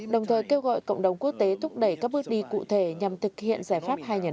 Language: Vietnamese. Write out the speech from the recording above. đồng thời kêu gọi cộng đồng quốc tế thúc đẩy các bước đi cụ thể nhằm thực hiện giải pháp hai nhà nước